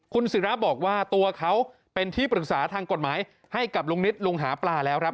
คุณศิราบอกว่าตัวเขาเป็นที่ปรึกษาทางกฎหมายให้กับลุงนิดลุงหาปลาแล้วครับ